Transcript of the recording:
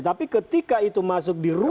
tapi ketika itu masuk di ruang